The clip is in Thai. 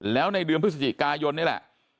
แล้วในเดือนพฤศจิกายนนี่แหละ